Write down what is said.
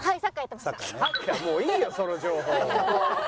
もういいよその情報。